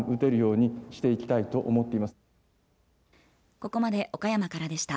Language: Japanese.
ここまで岡山からでした。